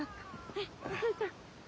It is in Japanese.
はいお杖ちゃん。